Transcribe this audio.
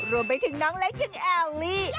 รวมไปถึงน้องเละกินแอลลี่